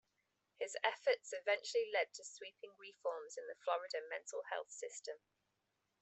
His efforts eventually led to sweeping reforms in the Florida mental health system.